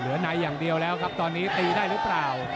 ในอย่างเดียวแล้วครับตอนนี้ตีได้หรือเปล่า